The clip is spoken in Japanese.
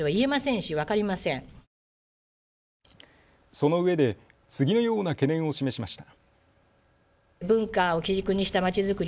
そのうえで次のような懸念を示しました。